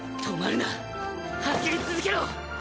「止まるな走り続けろ」